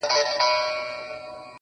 ستا د سترگو په بڼو کي را ايسار دي_